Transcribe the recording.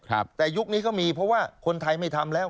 แต่ยุคนี้ก็มีเพราะว่าคนไทยไม่ทำแล้ว